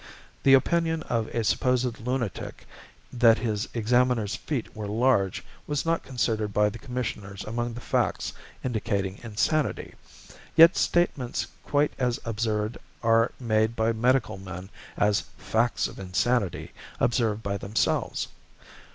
The opinion of a supposed lunatic that his examiner's feet were large was not considered by the Commissioners among the facts indicating insanity, yet statements quite as absurd are made by medical men as 'facts of insanity' observed by themselves.